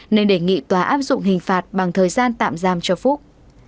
nên đề nghị tòa áp dụng hình phạt bằng thời gian tạm giam cho phúc